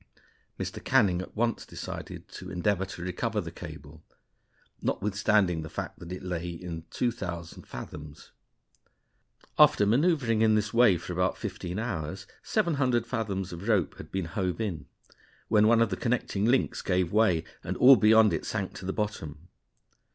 Mr. Canning at once decided to endeavor to recover the cable, notwithstanding the fact that it lay in 2,000 fathoms. After maneuvering in this way for about fifteen hours, 700 fathoms of rope had been hove in, when one of the connecting links gave way, and all beyond it sank to the bottom.